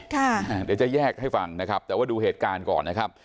เดี๋ยวจะแยกให้ฟังนะครับแต่ว่าดูเหตุการณ์ก่อนนะครับ